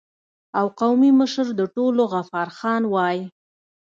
او قومي مشر د ټولو غفار خان وای